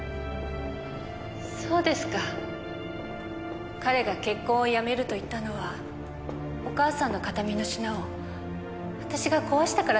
そうですか彼が結婚をやめると言ったのはお母さんの形見の品を私が壊したからだったんですね。